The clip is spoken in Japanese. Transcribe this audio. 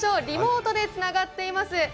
リモートでつながっています。